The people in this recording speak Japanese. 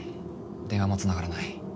電話もつながらない。